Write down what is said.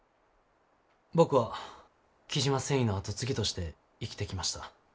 僕は雉真繊維の後継ぎとして生きてきました。